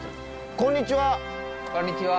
こんにちは。